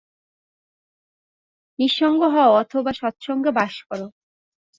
নিঃসঙ্গ হও, অথবা সৎসঙ্গে বাস কর।